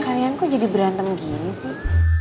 kalian kok jadi berantem gini sih